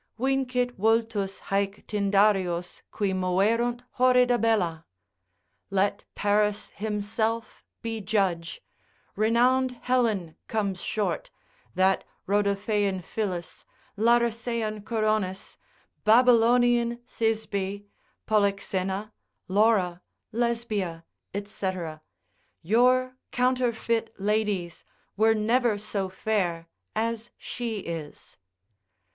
(Vincit vultus haec Tyndarios, Qui moverunt horrida bellla. Let Paris himself be judge) renowned Helen comes short, that Rodopheian Phillis, Larissean Coronis, Babylonian Thisbe, Polixena, Laura, Lesbia, &c., your counterfeit ladies were never so fair as she is.